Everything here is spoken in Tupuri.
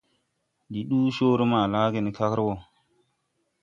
Ndi ɗuu coore maa laage ne kagre woo.